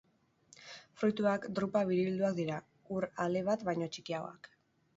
Fruituak drupa biribilduak dira, hur-ale bat baino txikiagoak.